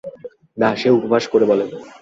না, সে উপহাস করে বলে।